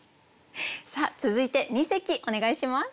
さあ続いて二席お願いします。